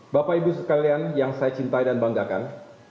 bapak ibu sekalian yang saya cintai dan banggakan